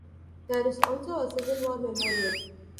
There is also a Civil War memorial.